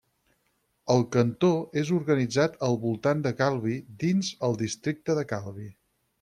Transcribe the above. El cantó és organitzat al voltant de Calvi dins el districte de Calvi.